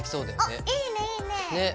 あいいねいいね。ね。